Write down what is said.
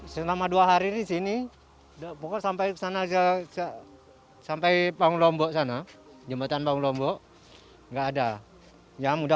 selama dua hari ini sini pokoknya sampai panglombok sana jembatan panglombok enggak ada